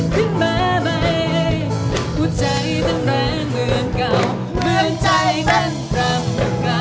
ที่หมดไม่เพราะคุณรัก